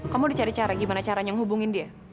kamu udah cari cara gimana caranya ngehubungin dia